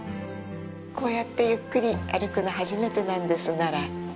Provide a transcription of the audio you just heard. こうやってゆっくり歩くのは初めてなんです、奈良。